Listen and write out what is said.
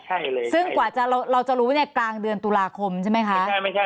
ใช่เลยซึ่งกว่าจะเราจะรู้เนี่ยกลางเดือนตุลาคมใช่ไหมคะใช่ไม่ใช่